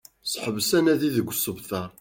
Seḥbes anadi deg usebter